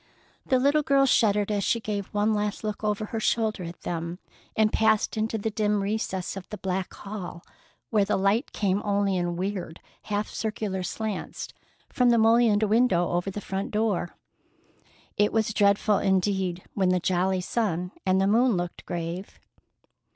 The little girl shuddered as she gave one last look over her shoulder at them and passed into the dim recesses of the back hall, where the light came only in weird, half circular slants from the mullioned window over the front door. It was dreadful indeed when the jolly sun and moon looked grave.